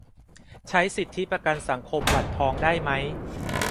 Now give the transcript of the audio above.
ใช้สิทธิประกันสังคมบัตรทองได้ไหม